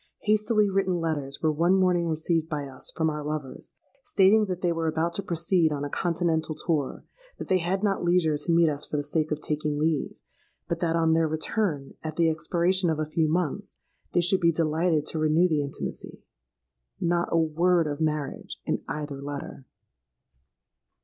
Hastily written letters were one morning received by us from our lovers, stating that they were about to proceed on a continental tour; that they had not leisure to meet us for the sake of taking leave; but that, on their return at the expiration of a few months, they should be delighted to renew the intimacy. Not a word of marriage in either letter!